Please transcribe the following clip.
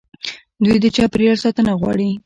دوی د چاپیریال ساتنه غواړي.